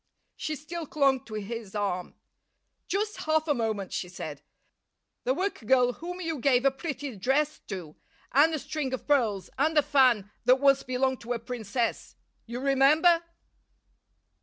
She still clung to his arm. "Just half a moment," she said. "The work girl whom you gave a pretty dress to, and a string of pearls, and a fan that once belonged to a princess. You remember?"